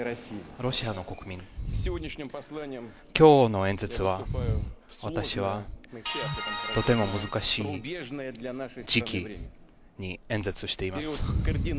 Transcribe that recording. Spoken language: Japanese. ロシアの国民、今日の演説は私はとても難しい時期に演説しています。